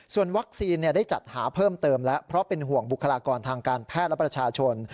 ส่วนวัคซีนได้จัดหาเพิ่มเติมแล้วเพราะเป็นห่วงบุคลากรทางการแพทย์และประชาชน